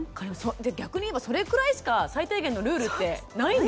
逆に言えばそれくらいしか最低限のルールってないんですね。